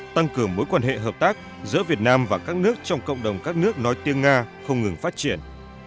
tăng cường mối quan hệ hợp tác giữa việt nam và các nước trong cộng đồng các nước nói tiếng nga không ngừng phát triển